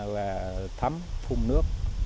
và thấm phun nước